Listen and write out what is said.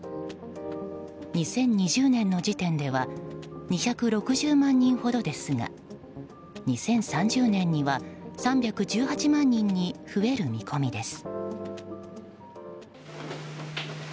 ２０２０年の時点では２６０万人ほどですが２０３０年には３１８万人に増える見込みです。